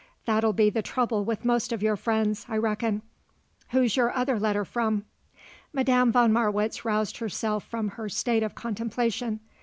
That'll be the trouble with most of your friends, I reckon. Who's your other letter from?" Madame von Marwitz roused herself from her state of contemplation.